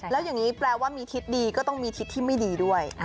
แล้วอย่างนี้แปลว่ามีทิศดีก็ต้องมีทิศที่ไม่ดีด้วย